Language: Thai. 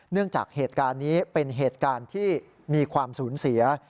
จากเหตุการณ์นี้เป็นเหตุการณ์ที่มีความสูญเสีย